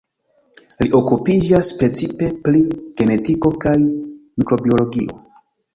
Li okupiĝas precipe pri genetiko kaj mikrobiologio.